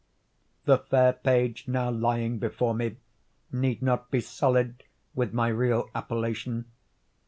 The fair page now lying before me need not be sullied with my real appellation.